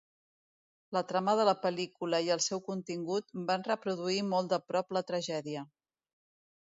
La trama de la pel·lícula i el seu contingut van reproduir molt de prop la tragèdia.